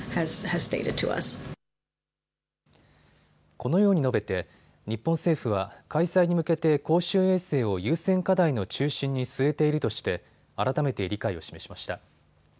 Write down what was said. このように述べて日本政府は開催に向けて公衆衛生を優先課題の中心に据えているとして改めて理解を示しました。